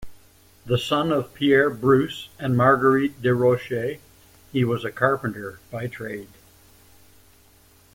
The son of Pierre Bruce and Marguerite Desrosiers, he was a carpenter by trade.